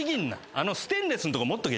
あのステンレスのとこ持っとけ。